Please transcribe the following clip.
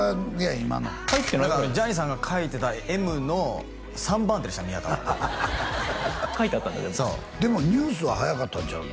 今のジャニーさんが書いてた「Ｍ」の３番手でした宮田はハハハハハ書いてあったんだでもそうでもＮＥＷＳは早かったん違うの？